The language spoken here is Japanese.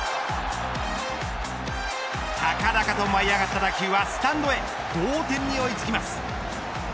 たかだかと舞い上がった打球はスタンドへ同点に追いつきます。